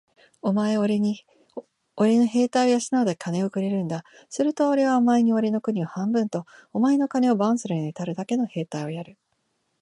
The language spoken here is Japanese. お前はおれにおれの兵隊を養うだけ金をくれるんだ。するとおれはお前におれの国を半分と、お前の金を番するのにたるだけの兵隊をやる。